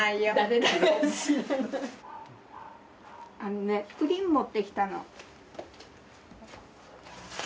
あのねプリン持ってきたの。